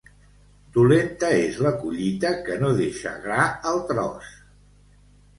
Dolenta és la collita que no deixa gra al tros.